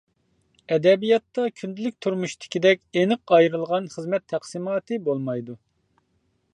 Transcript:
ئەدەبىياتتا كۈندىلىك تۇرمۇشتىكىدەك ئېنىق ئايرىلغان خىزمەت تەقسىماتى بولمايدۇ.